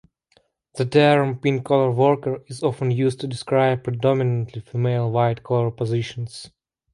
The term pink-collar worker is often used to describe predominantly female white collar positions.